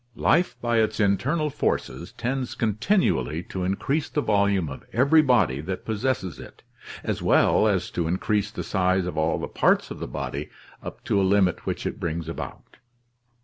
— Life by its internal forces tends continually to increase the volume of every body that possesses it, as well as to increase the size of all the parts of the body up to a limit which it brings about.